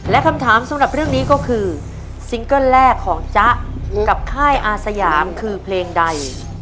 และคำถามสำหรับเรื่องนี้ก็คือซิงเกิ้ลแรกของจ๊ะกับค่ายอาสยามคือเพลงใด